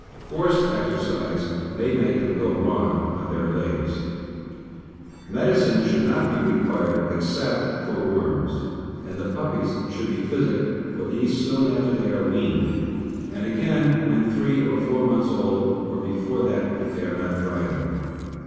Forced exercise may make them go wrong on their legs. Medicine should not be required except for worms, and the puppies should be physicked for these soon after they are weaned, and again when three or four months old, or before that if they are not thriving.